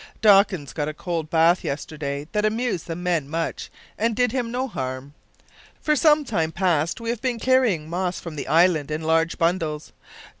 "Dawkins got a cold bath yesterday that amused the men much and did him no harm. For some time past we have been carrying moss from the island in large bundles.